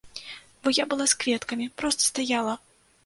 Бо я была з кветкамі, проста стаяла.